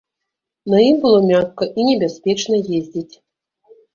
На ім было мякка і небяспечна ездзіць.